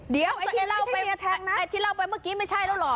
เดี๋ยวไอ้ที่เล่าไปเมื่อกี้ไม่ใช่แล้วหรอ